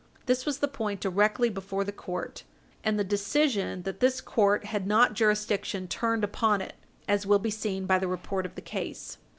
This was the point directly before the court, and the decision that this court had not jurisdiction turned upon it, as will be seen by the report of the case.